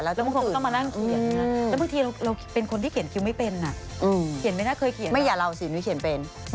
แล้วต้องต้องมานั่งเขียนน่ะแล้วบางทีเราเราเป็นคนที่เขียน